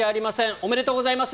おめでとうございます。